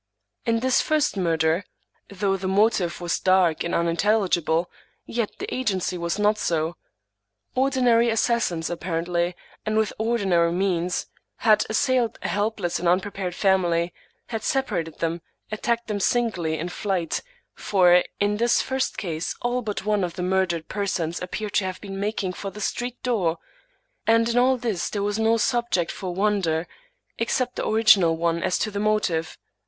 In this first mur der, though the motive was dark and unintelligible, yet the agency was not so ; ordinary assassins apparently, and with ordinary means, had assailed a helpless and unprepared family ; had separated them ; attacked them singly in flight (for in this first case all but one of the murdered persons appeared to have been making for the street door) ; and in all this there was no subject for wonder, except the original one as to the motive.